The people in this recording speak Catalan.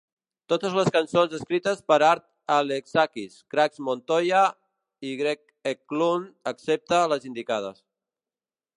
Totes les cançons escrites per Art Alexakis, Craig Montoya i Greg Eklund, excepte les indicades.